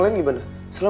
masuk kuliah dulu